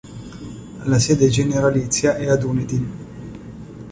La sede generalizia è a Dunedin.